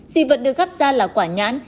dì vẫn được gắp ra là quả nhãn